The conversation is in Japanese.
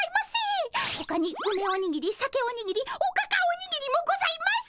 ほかにうめおにぎりさけおにぎりおかかおにぎりもございます！